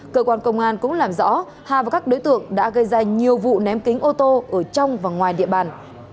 cơ quan công an cũng làm rõ hà và các đối tượng đã gây ra nhiều vụ ném kính ô tô ở trong và ngoài địa bàn